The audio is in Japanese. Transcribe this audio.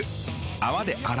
泡で洗う。